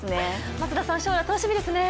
松田さん、将来楽しみですね